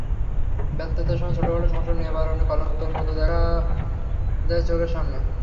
ব্যর্থতার সময় ছোটখাটো সমস্যাও নিরাবরণ কঙ্কালের মতো দেখা দেয় চোখের সামনে।